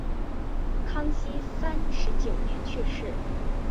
康熙三十九年去世。